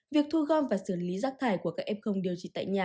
việc thu gom và xử lý rác thải của các f điều trị tại nhà